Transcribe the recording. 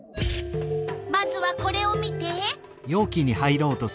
まずはこれを見て！